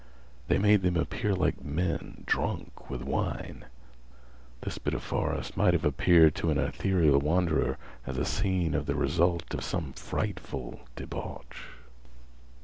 They made them appear like men drunk with wine. This bit of forest might have appeared to an ethereal wanderer as a scene of the result of some frightful debauch.